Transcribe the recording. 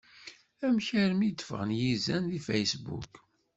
Amek armi d-ffɣen yizan deg Facebook?